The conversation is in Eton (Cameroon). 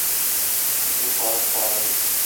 Me te kwal kwala